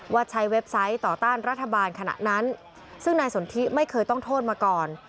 ใช้เว็บไซต์ต่อต้านรัฐบาลขณะนั้นซึ่งนายสนทิไม่เคยต้องโทษมาก่อน